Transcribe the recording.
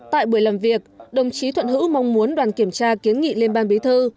tại buổi làm việc đồng chí thuận hữu mong muốn đoàn kiểm tra kiến nghị lên ban bí thư